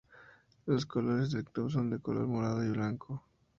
Los colores del club son de color morado y blanco.